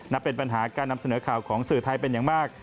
เป็นปัญหาการนำเสนอข่าวของสื่อไทยเป็นอย่างมาก